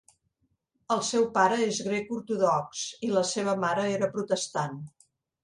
El seu pare és grec ortodox, i la seva mare era protestant.